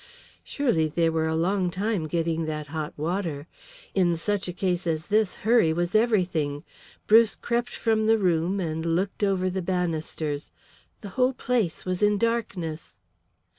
Surely they were a long time getting that hot water. In such a case as this hurry was everything. Bruce crept from the room and looked over the banisters. The whole place was in darkness!